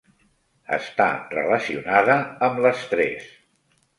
Està relacionada amb l'estrès.